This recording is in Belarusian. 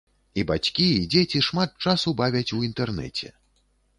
І бацькі, і дзеці шмат часу бавяць у інтэрнэце.